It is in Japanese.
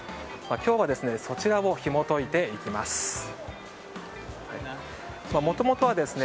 今日はそちらをひも解いていきます。